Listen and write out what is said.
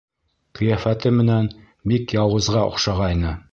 Ҡиәфәте менән бик яуызға оҡшағайны.